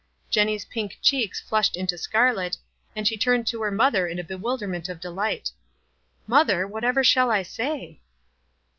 Jenny's pink cheeks flushed into scarlet, and she turned to her mother in a bewilderment of delight. "Mother, whatever shall I say?"